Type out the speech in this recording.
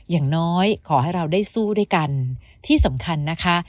อย่างน้อยขอให้เราได้สู้ด้วยกันที่สำคัญนะคะ